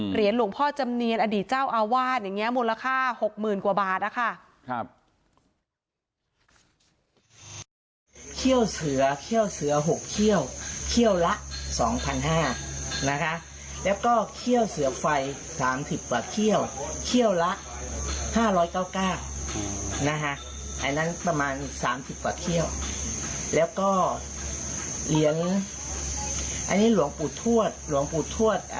เหรียญหลวงพ่อจำเนียนอดีตเจ้าอาวาสมูลค่า๖๐๐๐๐กว่าบาท